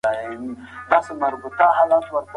ایا دا شرایط په نورو هیوادونو کي هم تطبیق کیږي؟